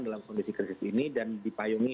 dalam kondisi krisis ini dan dipayungi